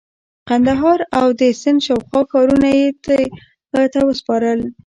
قندهار او د سند شاوخوا ښارونه یې هغه ته وسپارل.